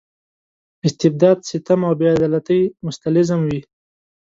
استبداد ستم او بې عدالتۍ مستلزم وي.